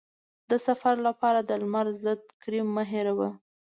د سفر لپاره د لمر ضد کریم مه هېروه.